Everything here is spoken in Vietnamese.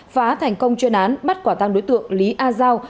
phá thành công chuyên án bắt quả tăng đối tượng lý a giao